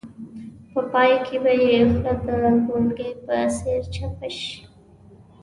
په پای کې به یې خوله د ګونګي په څېر چپه شي.